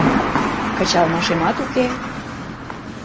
— Кычалмашемат уке...